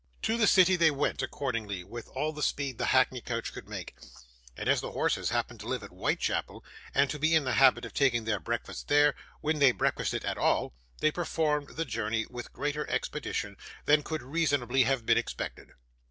To the city they went accordingly, with all the speed the hackney coach could make; and as the horses happened to live at Whitechapel and to be in the habit of taking their breakfast there, when they breakfasted at all, they performed the journey with greater expedition than could reasonably have been expected.